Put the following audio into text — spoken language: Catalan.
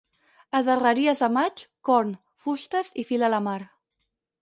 A darreries de maig, corn, fustes i fil a la mar.